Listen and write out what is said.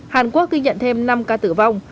hàn quốc ghi nhận thêm năm ca tử vong